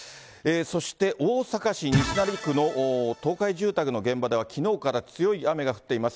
そして大阪市西成区の倒壊住宅の現場では、きのうから強い雨が降っています。